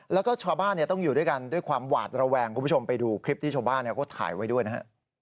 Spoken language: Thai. แล้วก็ชาวบ้านต้องอยู่ด้วยกันด้วยความหวาดระแวงคุณผู้ชมไปดูคลิปที่ชาวบ้านเขาถ่ายไว้ด้วยนะฮะ